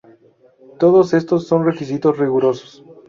Todos estos son requisitos rigurosos.